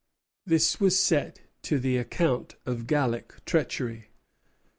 This was set to the account of Gallic treachery.